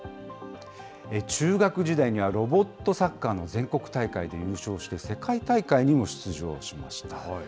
中学時代には、ロボットサッカーの全国大会で優勝して、世界大会にも出場しました。